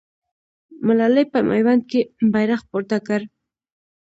ملالۍ په میوند کې بیرغ پورته کړ.